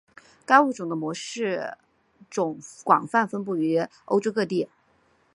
该物种的模式种广泛分布于欧洲各地。